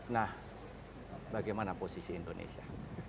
nah bagaimana posisi indonesia